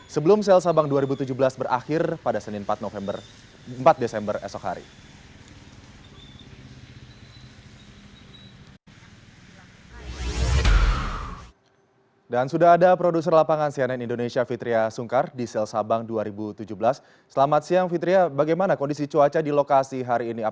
sebelum sel sabang dua ribu tujuh belas berakhir pada senin empat desember esok hari